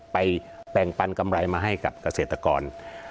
แบ่งปันกำไรมาให้กับเกษตรกร